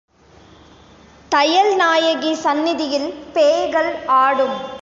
தையல்நாயகி சந்நிதியில் பேய்கள் ஆடும்.